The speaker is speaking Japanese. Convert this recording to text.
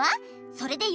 それでよ